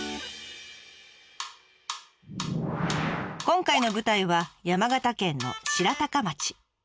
今回の舞台は山形県の白鷹町。